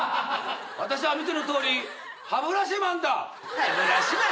私は見てのとおり歯ブラシマンだ！